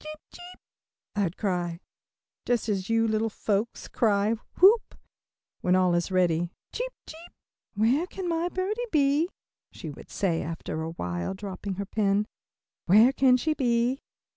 "Cheep, cheep," I'd cry, just as you little folks cry "whoop," when all is ready, "cheep, cheep." "Where can my birdie be?" she would say after awhile, dropping her pen. "Where can she be?"